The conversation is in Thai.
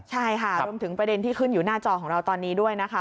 ใช่ค่ะรวมถึงประเด็นที่ขึ้นอยู่หน้าจอของเราตอนนี้ด้วยนะคะ